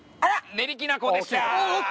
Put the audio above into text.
ねりきなこでした！